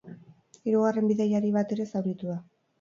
Hirugarren bidaiari bat ere zauritu da.